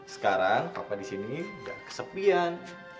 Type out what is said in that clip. sekarang pak di sini gak kesepian